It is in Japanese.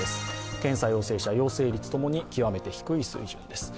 検査陽性者、陽性率ともに極めて低い水準です。